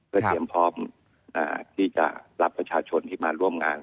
เพื่อเตรียมพร้อมที่จะรับประชาชนที่มาร่วมงาน